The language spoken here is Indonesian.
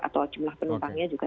atau jumlah penumpangnya juga